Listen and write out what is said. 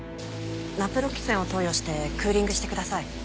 ナプロキセンを投与してクーリングしてください。